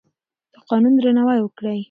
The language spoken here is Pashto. د قانون درناوی وکړئ.